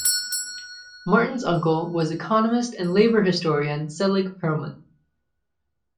Martin's uncle was economist and labor historian Selig Perlman.